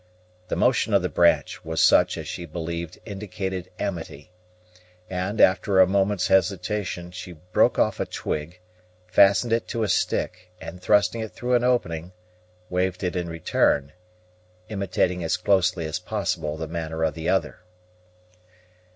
The motion of the branch was such as she believed indicated amity; and, after a moment's hesitation, she broke off a twig, fastened it to a stick and, thrusting it through an opening, waved it in return, imitating as closely as possible the manner of the other.